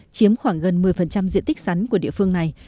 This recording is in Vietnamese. chiếm khoảng gần một mươi diện tích sắn của địa phương này